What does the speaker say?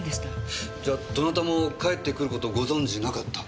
じゃあどなたも帰ってくる事をご存知なかった？